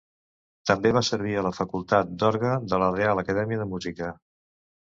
També va servir a la facultat d'orgue de la Reial Acadèmia de Música.